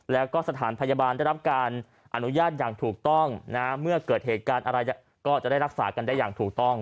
แล้วก็สถานพยาบาลได้รับการอนุญาตอย่างถูกต้องนะเมื่อเกิดเหตุการณ์อะไรก็จะได้รักษากันได้อย่างถูกต้อง